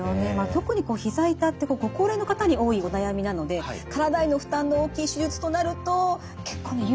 特にひざ痛ってご高齢の方に多いお悩みなので体への負担の大きい手術となると結構勇気が必要になりますよね。